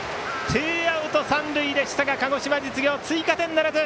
ツーアウト三塁でしたが鹿児島実業、追加点ならず。